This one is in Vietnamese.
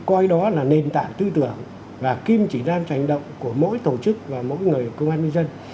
coi đó là nền tảng tư tưởng và kim chỉ nam cho hành động của mỗi tổ chức và mỗi người công an nhân dân